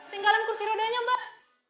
tinggalan kursi rodanya mbak